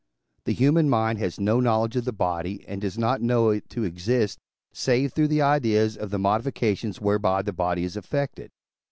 The human mind has no knowledge of the body, and does not know it to exist, save through the ideas of the modifications whereby the body is affected.